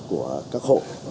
của các hộ